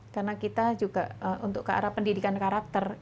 karena kita juga untuk ke arah pendidikan karakter